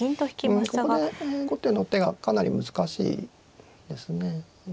ここで後手の手がかなり難しいですね。